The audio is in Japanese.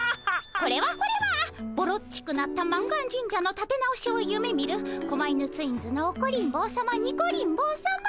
これはこれはぼろっちくなった満願神社のたて直しを夢みる狛犬ツインズのオコリン坊さまニコリン坊さま。